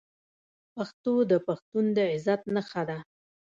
پښتو د پښتون د عزت نښه ده.